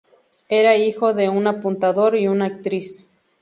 Era hijo de un apuntador y una actriz.